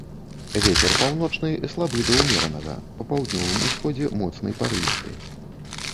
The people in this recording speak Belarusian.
Вецер паўночны слабы да ўмеранага, па паўднёвым усходзе моцны парывісты.